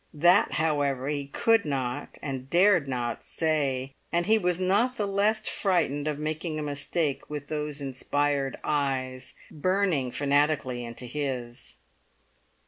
That, however, he could not and dared not say; and he was not the less frightened of making a mistake with those inspired eyes burning fanatically into his.